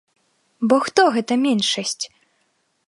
Бо хто гэта меншасць?